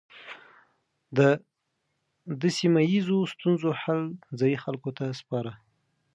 ده د سيمه ييزو ستونزو حل ځايي خلکو ته سپاره.